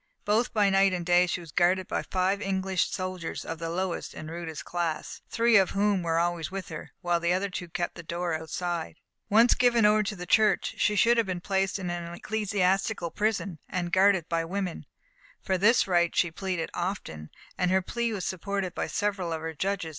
Both by night and day she was guarded by five English soldiers of the lowest and rudest class, three of whom were always with her, while the other two kept the door outside. Once given over to the Church, she should have been placed in an ecclesiastical prison, and guarded by women. For this right she pleaded often, and her plea was supported by several of her judges.